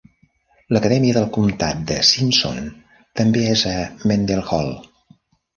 L'Acadèmia del comtat de Simpson també és a Mendenhall.